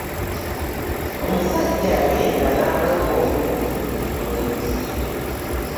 Omusajja yagenda naloopa omubbi ku poliisi.